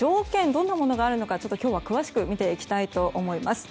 どんなものがあるか今日は詳しく見ていきたいと思います。